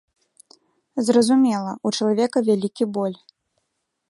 Зразумела, у чалавека вялікі боль.